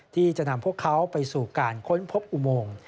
ที่จะนำพวกเขาไปสู่การค้นพบอุโมง